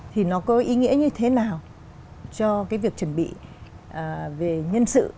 thì nó có ý nghĩa như thế nào cho cái việc chuẩn bị về nhân sự